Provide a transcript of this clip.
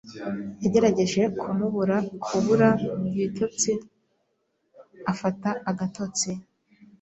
Yagerageje kumubura kubura ibitotsi afata agatotsi.